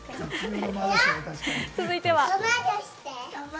続いては。